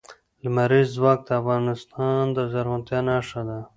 لمریز ځواک د افغانستان د زرغونتیا نښه ده.